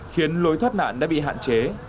khiến lối thoát nạn đã bị hạn chế